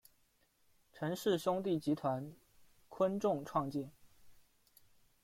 陈氏兄弟集团昆仲创建。